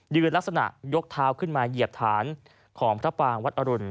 ลักษณะยกเท้าขึ้นมาเหยียบฐานของพระปางวัดอรุณ